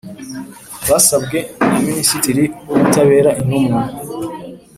Bisabwe na minisitiri w ubutabera intumwa